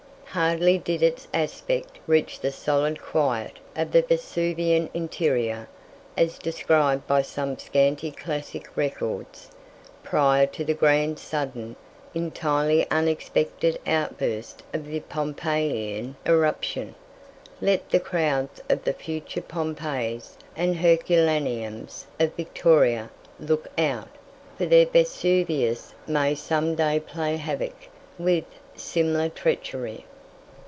Hardly did its aspect reach the solid quiet of the Vesuvian interior, as described by some scanty classic records, prior to the grand, sudden, entirely unexpected outburst of the Pompeiian eruption. Let the crowds of the future Pompeiis and Herculaneums of Victoria look out, for their Vesuvius may some day play havoc, with similar treachery.